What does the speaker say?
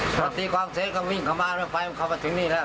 พอตีความเสร็จก็วิ่งเข้ามาแล้วไฟมันเข้ามาถึงนี่แล้ว